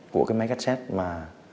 của cái máy cách xét mà